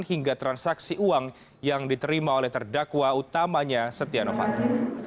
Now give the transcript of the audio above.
hingga transaksi uang yang diterima oleh terdakwa utamanya setia novanto